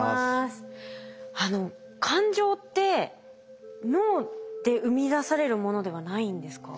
あの感情って脳で生み出されるものではないんですか？